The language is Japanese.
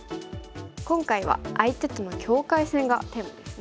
今回は相手との境界線がテーマですね。